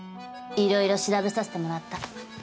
いろいろ調べさせてもらった。